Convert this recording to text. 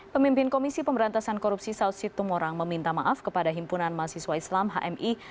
pemimpin komisi pemberantasan korupsi south sittung morang meminta maaf kepada himpunan mahasiswa islam hmi